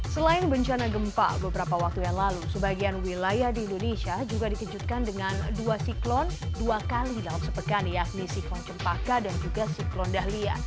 selain bencana gempa beberapa waktu yang lalu sebagian wilayah di indonesia juga dikejutkan dengan dua siklon dua kali dalam sepekan yakni siklon cempaka dan juga siklon dahlia